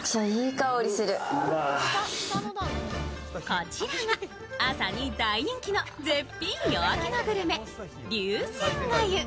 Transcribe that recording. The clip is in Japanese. こちらが朝に大人気の絶品夜明けのグルメ、龍仙粥。